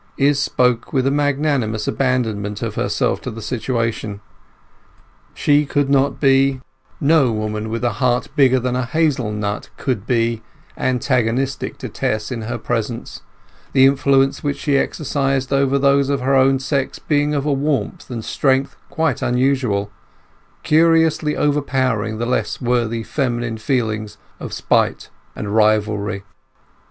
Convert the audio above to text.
Izz spoke with a magnanimous abandonment of herself to the situation; she could not be—no woman with a heart bigger than a hazel nut could be—antagonistic to Tess in her presence, the influence which she exercised over those of her own sex being of a warmth and strength quite unusual, curiously overpowering the less worthy feminine feelings of spite and rivalry.